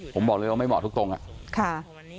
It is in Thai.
ผมบอกเลยว่าไม่เหมาะทุกตรงอ่ะค่ะ